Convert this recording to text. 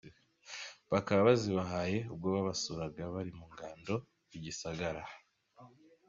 Bakaba bazibahaye ubwo babasuraga bari mu Ngando i Gisagara.